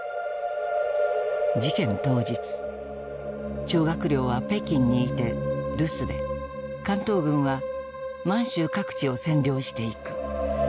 事件当日張学良は北京にいて留守で関東軍は満州各地を占領していく。